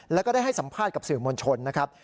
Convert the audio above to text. แล้วก็ได้ให้สัมภาษณ์กับสื่อมวลชนนะครับ